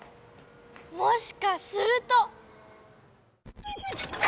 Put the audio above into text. もしかすると！